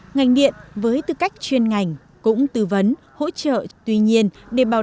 ngành điện với tư cách chuyên ngành cũng tư vấn hỗ trợ